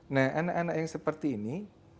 nah anak anak yang seperti ini